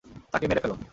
তাকে মেরে ফেল!